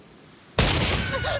あっ！